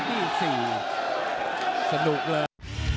อันที่สี่สนุกเลย